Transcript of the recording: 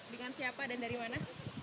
dengan siapa dan dari mana